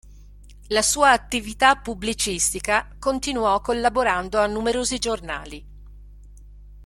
La sua attività pubblicistica continuò collaborando a numerosi giornali.